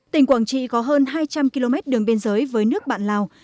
tỉnh quảng trị có hơn hai trăm linh km đường biên giới với nước bạn lào